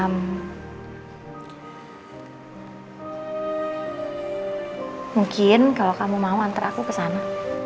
mungkin kalau kamu mau manter aku ke sana